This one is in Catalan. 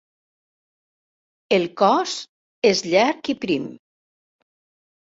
El cos és llarg i prim.